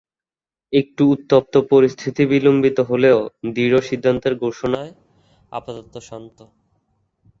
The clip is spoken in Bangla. একটু উত্তপ্ত পরিস্থিতি বিলম্বিত হলেও দৃঢ় সিদ্ধান্তের ঘোষণায় আপাতত শান্ত।